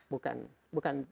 bukan bukan pc